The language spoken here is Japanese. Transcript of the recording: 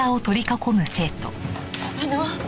あの。